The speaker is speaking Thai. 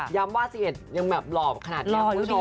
ย้ำว่า๑๑ปียังแบบหล่อขนาดเดียวคุณผู้ชม